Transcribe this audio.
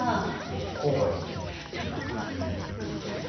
どこがいいんだろう？